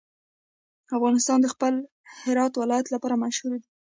افغانستان د خپل هرات ولایت لپاره مشهور دی.